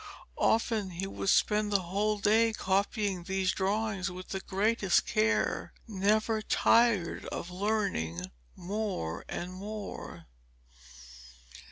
Often he would spend the whole day copying these drawings with the greatest care, never tired of learning more and more.